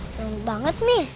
seram banget meh